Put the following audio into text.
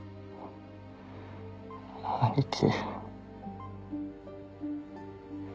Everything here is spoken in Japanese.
兄貴。